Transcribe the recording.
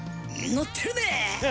のってるねえ！